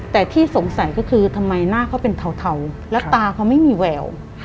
แต่ที่สงสัยก็คือทำไมหน้าเขาเป็นเทาแล้วตาเขาไม่มีแวว